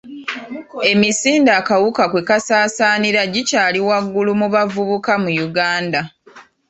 Emisinde akawuka kwe kasaasaanira gikyali waggulu mu bavubuka mu Uganda.